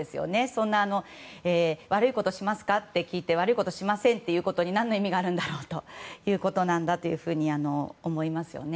そんな悪いことしますか？って聞いて悪いことしませんっていうことに何の意味があるんだろうということなんだろうと思いますよね。